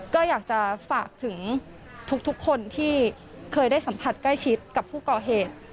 ก็อยากจะฝากถึงทุกคนที่เคยได้สัมผัสใกล้ชิดกับผู้ก่อเหตุ